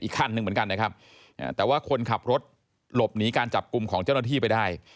คันหนึ่งเหมือนกันนะครับแต่ว่าคนขับรถหลบหนีการจับกลุ่มของเจ้าหน้าที่ไปได้